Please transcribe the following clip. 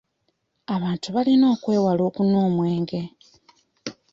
Abantu balina okwewala okunywa omwenge.